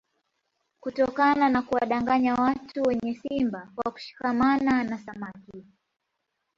Kutokana na kuwadanganya watu wenye simba kwa kushikamana na samaki